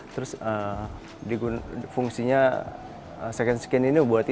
terus fungsinya secondary skin ini buat kita ya